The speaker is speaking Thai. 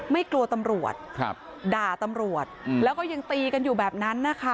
ไม่กลัวตำรวจครับด่าตำรวจแล้วก็ยังตีกันอยู่แบบนั้นนะคะ